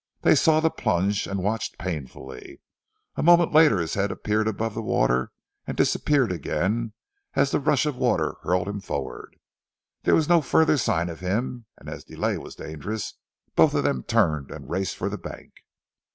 They saw the plunge, and watched painfully. A moment later his head appeared above the water, and disappeared again, as the rush of water hurled him forward. There was no further sign of him, and as delay was dangerous both of them turned and raced for the bank.